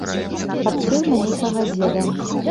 Падсеў да нейкага дзеда.